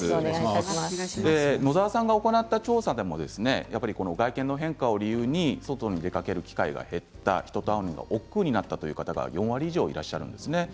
野澤さんが行った調査でも外見の変化を理由に外に出かける機会が減った人と会うのが、おっくうになったという方が４割以上らっしゃるんですね。